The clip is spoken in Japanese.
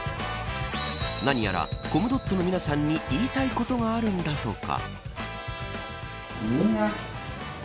何やらコムドットの皆さんに言いたいことがあるんだとか。